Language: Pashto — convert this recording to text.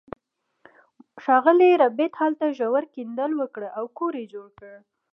ښاغلي ربیټ هلته ژور کیندل وکړل او کور یې جوړ کړ